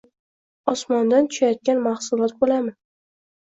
«osmondan tushayotgan» mahsulot ko‘lami